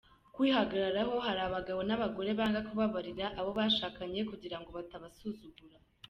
Kwihagararaho: Hari abagabo n’abagore banga kubabarira abo bashakanye kugira ngo batabasuzugura.